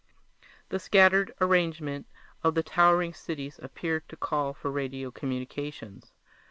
The scattered arrangement of the towering cities appeared to call for radio communications.